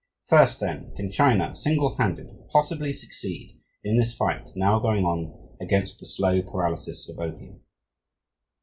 First, then: can China, single handed, possibly succeed in this fight, now going on, against the slow paralysis of opium?